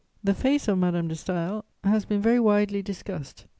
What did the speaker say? The face of Madame de Staël has been very widely discussed.